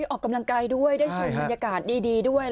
ออกกำลังกายด้วยได้ชมบรรยากาศดีด้วย